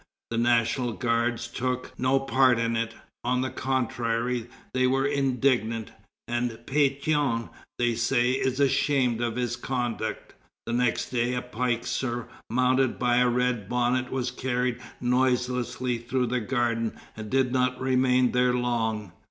The National Guards took no part in it; on the contrary, they were indignant, and Pétion, they say, is ashamed of his conduct. The next day a pike surmounted by a red bonnet was carried noiselessly through the garden, and did not remain there long."